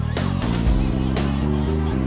dari jam enam